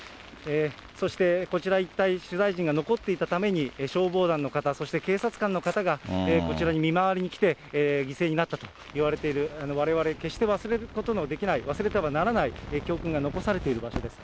そしてこちら一帯、取材陣が残っていたために、消防団の方、そして警察官の方が、こちらに見回りに来て、犠牲になったといわれている、われわれ決して忘れることのできない、忘れてはならない教訓が残されている場所です。